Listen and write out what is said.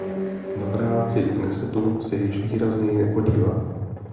Na práci Knesetu se již výrazněji nepodílel.